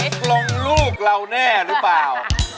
ตกลงลูกเราแน่หรือเปล่า